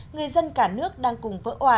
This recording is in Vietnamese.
người dân cả nước đang cùng vỡ oà